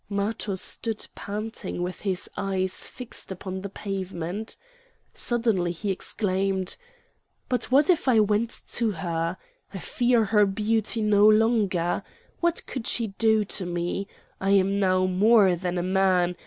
Matho stood panting with his eyes fixed upon the pavement. Suddenly he exclaimed: "But what if I went to her? I fear her beauty no longer! What could she do to me? I am now more than a man.